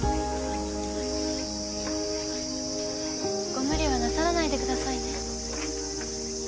ご無理はなさらないでくださいね。